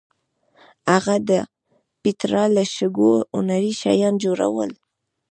هغه د پېټرا له شګو هنري شیان جوړول.